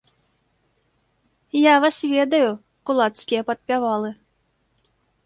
Я вас ведаю, кулацкія падпявалы!